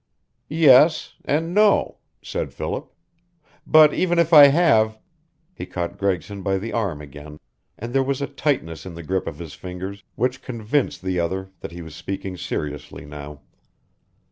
"Yes and no," said Philip. "But even if I have " He caught Gregson by the arm again, and there was a tightness in the grip of his fingers which convinced the other that he was speaking seriously now.